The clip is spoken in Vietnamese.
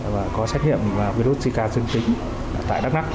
và có xét nghiệm virus zika dương tính tại đắk nắk